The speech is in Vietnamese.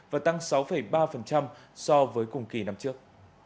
và tăng sáu ba so với cùng kỳ năm trước